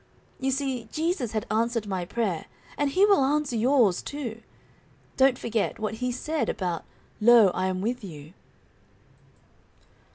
You see Jesus had answered my prayer, and He will answer yours, too. Don't forget, what He said about 'Lo, I am with you.'"